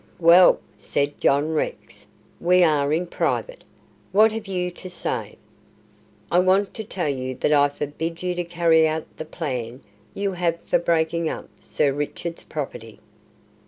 "Well," said John Rex, "we are in private. What have you to say?" "I want to tell you that I forbid you to carry out the plan you have for breaking up Sir Richard's property."